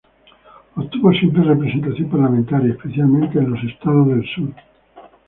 Obtuvo siempre representación parlamentaria, especialmente en los estados del sur.